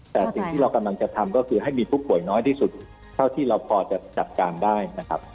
แต่สิ่งที่เรากำลังจะทำก็คือให้มีผู้ป่วยน้อยที่สุดเท่าที่เราพอจะจัดการได้นะครับ